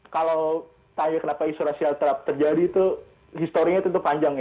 kalau tanya kenapa isu rasial trump terjadi itu historinya tentu panjang ya